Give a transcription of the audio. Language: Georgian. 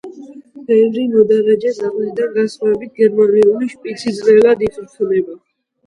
ბევრი მოდარაჯე ძაღლისგან განსხვავებით, გერმანული შპიცი ძნელად იწვრთნება.